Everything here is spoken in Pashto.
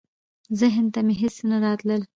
ذهن ته مي هیڅ نه راتلل .